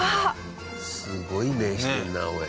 すごい目してるなおい。